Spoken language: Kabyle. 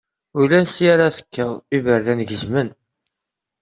Ulansi ara tekkeḍ, iberdan gezmen.